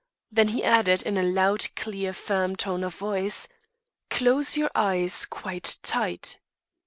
Then he added, in a "loud, clear, firm tone of voice": "Close your eyes quite tight."